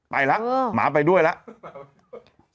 ไปแล้วหมาไปด้วยแล้ว